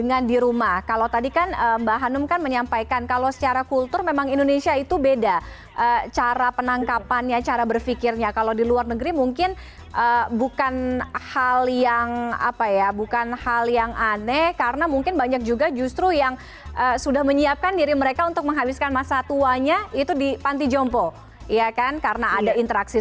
ada perbandingan kualitas hidup tidak sih mbak sebenarnya